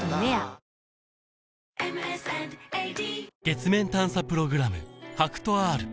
月面探査プログラム